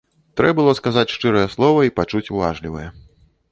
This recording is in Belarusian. Трэ было сказаць шчырае слова й пачуць уважлівае.